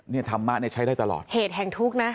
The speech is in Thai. ธรรมะเนี่ยใช้ได้ตลอดเหตุแห่งทุกข์นะ